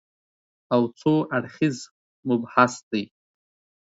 او څو اړخیز مبحث دی